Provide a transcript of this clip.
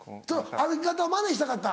歩き方をマネしたかった？